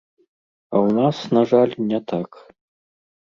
А ў нас, на жаль, не так.